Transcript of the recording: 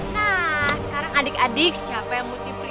nah sekarang adik adik siapa yang mutip lilin